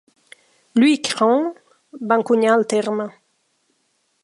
Louis Crane va encunyar el terme.